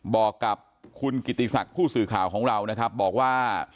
บอกกับคุณกิติศักดิ์ผู้สื่อข่าวของเรานะครับบอกว่า